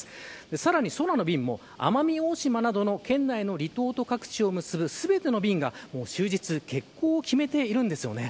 さらに空の便も、奄美大島などの県内の離島と各地を結ぶ全ての便が終日欠航を決めているんです。